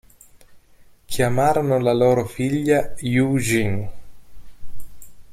Chiamarono la loro figlia Yoo-jin.